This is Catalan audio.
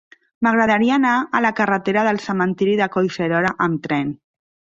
M'agradaria anar a la carretera del Cementiri de Collserola amb tren.